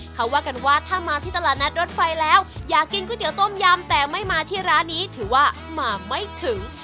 เขาว่ากันว่าถ้ามาที่ตลาดนัดรถไฟแล้วอยากกินก๋วยเตี๋ต้มยำแต่ไม่มาที่ร้านนี้ถือว่ามาไม่ถึง